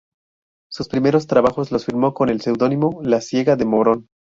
Sus primeros trabajos los firmó con el seudónimo "La ciega de Morón".